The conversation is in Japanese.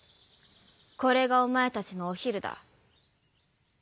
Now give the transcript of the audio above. これがおまえたちのおひるだ」。